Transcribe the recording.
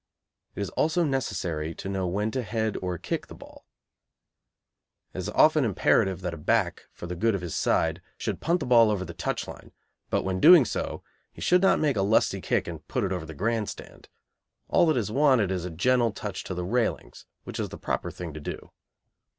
It is also necessary to know when to head or kick the ball. It is often imperative that a back, for the good of his side, should punt the ball over the touch line, but when doing so he should not make a lusty kick and put it over the grand stand. All that is wanted is a gentle touch to the railings, which is the proper thing to do.